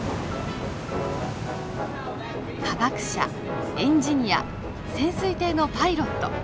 科学者エンジニア潜水艇のパイロット。